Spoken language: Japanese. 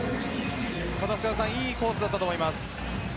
いいコースだったと思います。